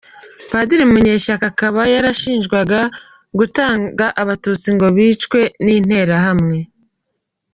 Padiri Munyeshyaka akaba yarashinjwaga gutanga abatutsi ngo bicwe n’Interahamwe.